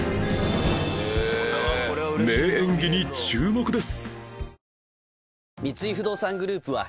名演技に注目です！